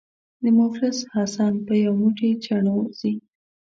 د مفلس حسن په یو موټی چڼو ځي.